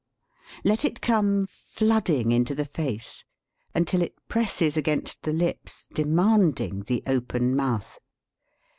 Let it come flooding into the face, until it presses against the lips, demanding the open mouth.